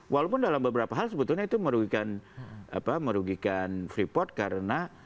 walaupun dalam beberapa hal sebetulnya itu merugikan freeport karena